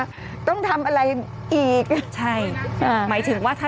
กรมป้องกันแล้วก็บรรเทาสาธารณภัยนะคะ